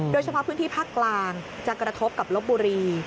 โดยเฉพาะพื้นที่ภาคกลางจะกระทบกับลบบุรี